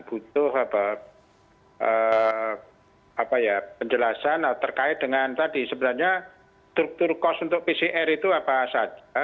butuh penjelasan terkait dengan tadi sebenarnya struktur cost untuk pcr itu apa saja